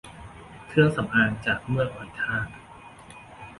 เครื่องสำอางจากเมือกหอยทาก